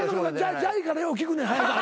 じゃいからよう聞くねん。